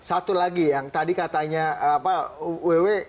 satu lagi yang tadi katanya apa wewe